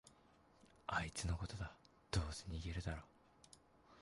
あいつのことだ、どうせ逃げるだろ